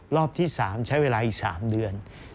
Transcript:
รอบที่๓ใช้เวลาอีก๓เดือน